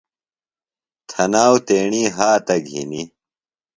تھناوۡ تیݨی ہاتہ گِھینیۡ